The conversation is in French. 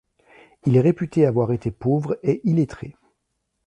Il est réputé avoir été pauvre et illettré.